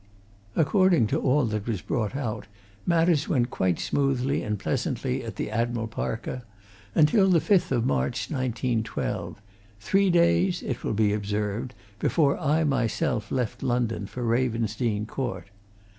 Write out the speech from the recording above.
According to all that was brought out, matters went quite smoothly and pleasantly at the Admiral Parker until the 5th of March, 1912 three days, it will be observed, before I myself left London for Ravensdene Court.